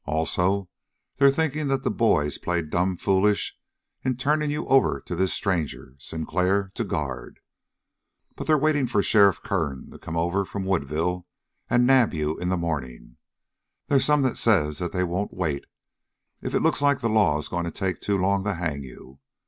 Also they're thinking that the boys played plumb foolish in turning you over to this stranger, Sinclair, to guard. But they're waiting for Sheriff Kern to come over from Woodville an' nab you in the morning. They's some that says that they won't wait, if it looks like the law is going to take too long to hang you.